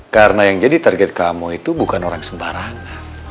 karena yang jadi target kamu itu bukan orang sembarangan